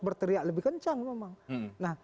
berteriak lebih kencang memang nah